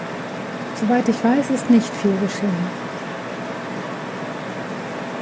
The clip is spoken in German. Soweit ich weiß, ist nicht viel geschehen.